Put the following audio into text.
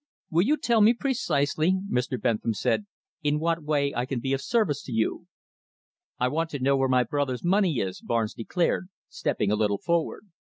"Will you tell me precisely," Mr. Bentham said, "in what way I can be of service to you?" "I want to know where my brother's money is," Barnes declared, stepping a little forward.